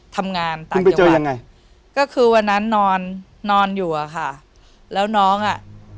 ทำงานต่างจังหวัดยังไงก็คือวันนั้นนอนนอนอยู่อะค่ะแล้วน้องอ่ะ